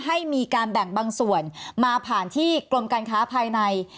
ให้มีการแบ่งบางส่วนมาผ่านที่กรมการค้าภายใน